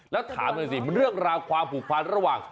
แล้วถามหน่อยสิเรื่องราวความผูกพันระหว่าง